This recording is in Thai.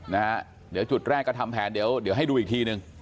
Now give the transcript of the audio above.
นะฮะเดี๋ยวจุดแรกก็ทำแผนเดี๋ยวเดี๋ยวให้ดูอีกทีหนึ่ง